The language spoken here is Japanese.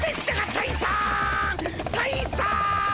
・たいさん！